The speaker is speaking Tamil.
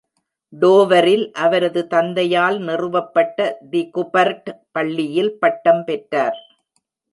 டோவரில் அவரது தந்தையால் நிறுவப்பட்ட தி குபர்ட் பள்ளியில் பட்டம் பெற்றார்.